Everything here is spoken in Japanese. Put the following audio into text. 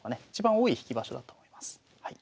いちばん多い引き場所だと思います。